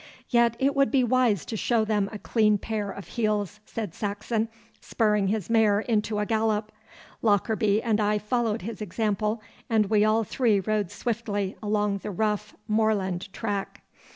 'Yet it would be wise to show them a clean pair of heels,' said Saxon, spurring his mare into a gallop. Lockarby and I followed his example, and we all three rode swiftly along the rough moorland track.